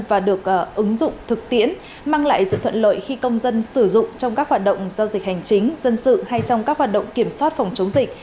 và được ứng dụng thực tiễn mang lại sự thuận lợi khi công dân sử dụng trong các hoạt động giao dịch hành vi